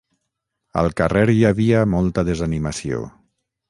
Al carrer hi havia molta desanimació.